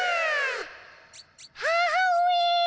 母上！